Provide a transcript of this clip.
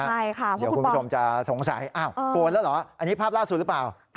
เดี๋ยวคุณผู้ชมจะสงสัยโฟนแล้วเหรออันนี้ภาพล่าสุดหรือเปล่า